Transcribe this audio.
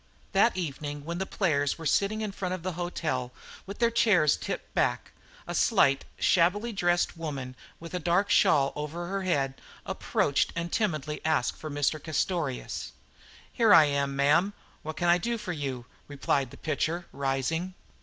That evening, when the players were sitting in front of the hotel with their chairs tipped back, a slight, shabbily dressed woman with a dark shawl over her head approached and timidly asked for Mr. Castorious. "Here I am, ma'am. What can I do for you?" replied the pitcher, rising.